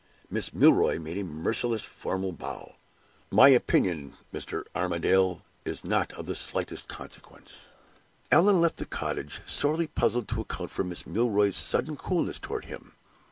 Miss Milroy made a mercilessly formal bow. "My opinion, Mr. Armadale, is not of the slightest consequence." Allan left the cottage, sorely puzzled to account for Miss Milroy's sudden coolness toward him.